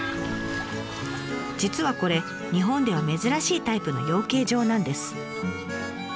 実はこれ日本では珍しいタイプの養鶏場なんです。